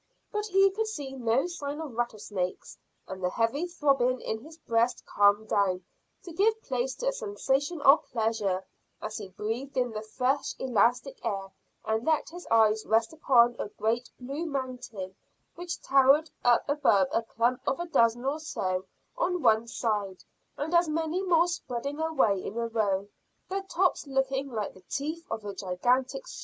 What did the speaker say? But he could see no sign of rattlesnakes, and the heavy throbbing in his breast calmed down, to give place to a sensation of pleasure, as he breathed in the fresh elastic air and let his eyes rest upon a great blue mountain which towered up above a clump of a dozen or so on one side and as many more spreading away in a row, their tops looking like the teeth of a gigantic saw.